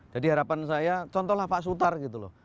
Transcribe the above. jadi harapan saya contohlah pak sutari gitu loh